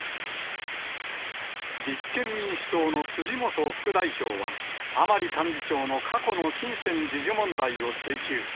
立憲民主党の辻元副代表は、甘利幹事長の過去の金銭授受問題を追及。